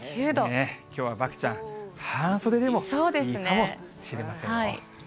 きょうは漠ちゃん、半袖でもいいかもしれませんよ。